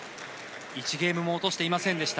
１ゲームも落としていませんでした